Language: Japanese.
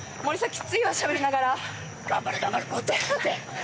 キッツいわしゃべりながら頑張れ頑張れもっと聞いて！